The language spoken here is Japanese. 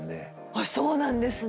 あっそうなんですね。